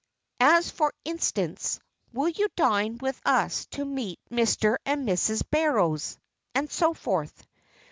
As, for instance, "Will you dine with us to meet Mr. and Mrs. Barrows," and so forth.